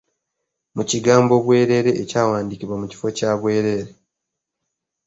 Mu kigambo ‘bwerere’ ekyawandiikibwa mu kifo kya 'bwereere'.